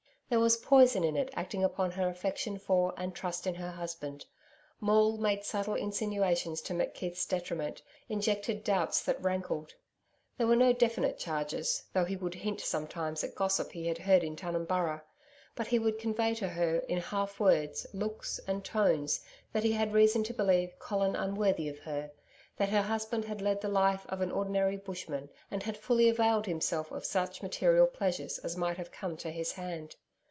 There was poison in it acting upon her affection for and trust in her husband. Maule made subtle insinuations to McKeith's detriment, injected doubts that rankled. There were no definite charges, though he would hint sometimes at gossip he had heard in Tunumburra. But he would convey to her in half words, looks, and tones that he had reason to believe Colin unworthy of her that her husband had led the life of an ordinary bushman, and had fully availed himself of such material pleasures as might have come to his hand.